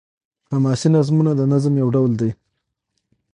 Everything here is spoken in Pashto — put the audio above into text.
حماسي نظمونه د نظم يو ډول دﺉ.